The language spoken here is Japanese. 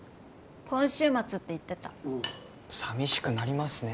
今週末って言ってた寂しくなりますね